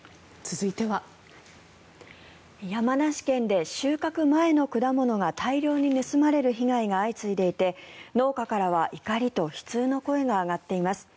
山梨県で収穫前の果物が大量に盗まれる被害が相次いでいて農家からは怒りと悲痛の声が上がっています。